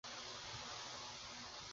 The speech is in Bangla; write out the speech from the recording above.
আমার ক্ষেত্রে, তোমার কিছুই করার নেই।